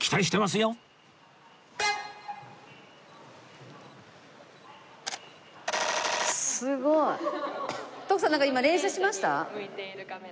すごい！徳さんなんか今連写しました？